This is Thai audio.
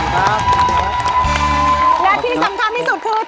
และที่สำคัญที่สุดคือ